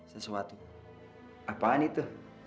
sesuatu apaan itu